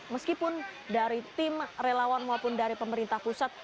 meskipun dari tim relawan maupun dari pemerintah pusat